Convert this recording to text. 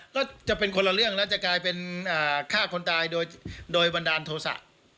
ก็จะเป็นคนละเรื่องแล้วจะกลายเป็นฆ่าคนตายโดยบันดาลโทษะ